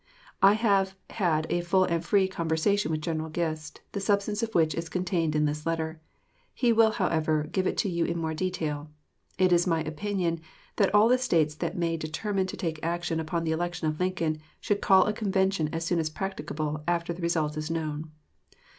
I have had a full and free conversation with General Gist, the substance of which is contained in this letter. He will, however, give it to you more in detail. It is my opinion that all the States that may determine to take action upon the election of Lincoln should call a convention as soon as practicable after the result is known.